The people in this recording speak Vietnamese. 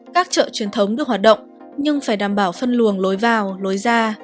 các chợ truyền thống được hoạt động nhưng phải đảm bảo phân luồng lối vào lối ra